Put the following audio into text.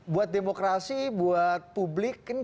buat demokrasi buat publik